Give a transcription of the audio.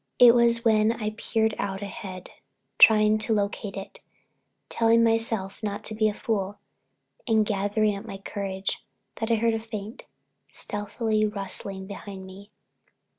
It was when I was peering out ahead, trying to locate it, telling myself not to be a fool and gathering up my courage, that I heard that faint, stealthy rustling behind me.